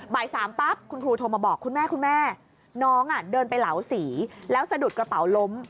บ่าย๓ปั๊บคุณครูโทรมาบอกคุณแม่คุณแม่น้องเดินไปเหลาสีแล้วสะดุดกระเป๋าล้ม